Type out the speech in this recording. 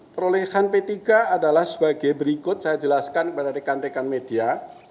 perolehan p tiga adalah sebagai berikut saya jelaskan kepada rekan rekan media